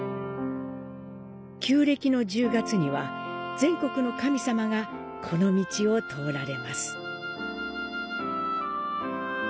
旧暦の１０月には、全国の神様がこの道を通られます。